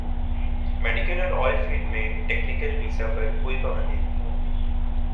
medical اور oil field میں technical visa پر کوئی پابندی نہیں ہوگی